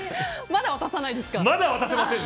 まだ渡さないですか？